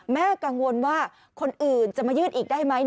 แม่กังวลว่าคนอื่นจะมายื่นอีกได้ไหม